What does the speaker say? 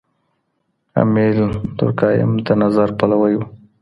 اميل دورکهايم د نظم پلوی و.